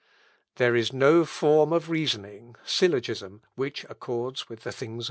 "There is no form of reasoning (syllogism) which accords with the things of God.